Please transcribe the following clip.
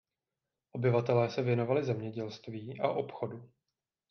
Obyvatelé se věnovali zemědělství a obchodu.